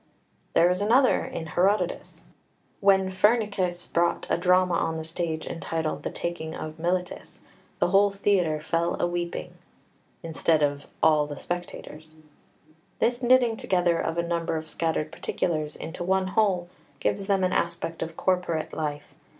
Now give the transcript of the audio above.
There is another in Herodotus: "When Phrynichus brought a drama on the stage entitled The Taking of Miletus, the whole theatre fell a weeping" instead of "all the spectators." This knitting together of a number of scattered particulars into one whole gives them an aspect of corporate life.